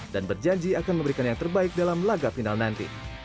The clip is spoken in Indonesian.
dan berjanji akan memberikan yang terbaik dalam laga final nanti